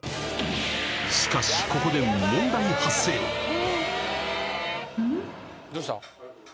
しかしここでどうした？